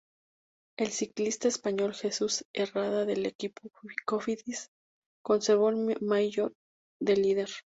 El ciclista español Jesús Herrada del equipo Cofidis, conservó el maillot de líder.